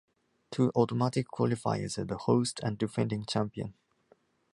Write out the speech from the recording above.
Two automatic qualifiers are the host and defending champion.